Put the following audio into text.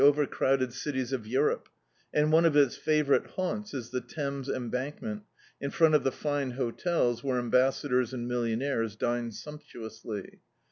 db, Google A Voice in the Dark crowded cities of Europe, and taie of its favourite haunts is die Thames Embankment, in frcmt of the fine hotels where ambassadors and millionaires dine sumptuously.